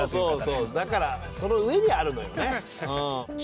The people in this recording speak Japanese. だからその上にあるのよね。